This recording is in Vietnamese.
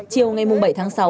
chiều ngày bảy tháng sáu